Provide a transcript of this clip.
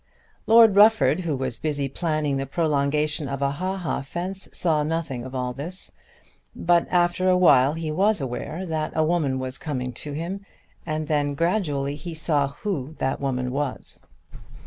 Lord Rufford, who was busy planning the prolongation of a ha ha fence, saw nothing of all this; but, after a while he was aware that a woman was coming to him, and then gradually he saw who that woman was.